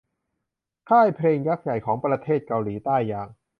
ค่ายเพลงยักษ์ใหญ่ของประเทศเกาหลีใต้อย่าง